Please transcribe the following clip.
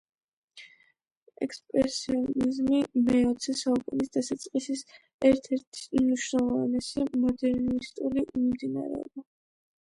ექსპრესიონიზმი მეოცე საუკუნის დასაწყისის ერთ-ერთ უმნიშვნელოვანესი მოდერნისტული მიმდინარეობა